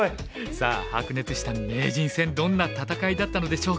さあ白熱した名人戦どんな戦いだったのでしょうか。